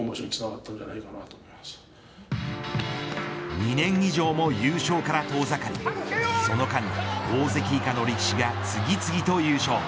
２年以上も優勝から遠ざかりその間、大関以下の力士が次々と優勝。